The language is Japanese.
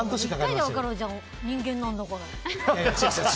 １回で分かろうよ人間なんだから！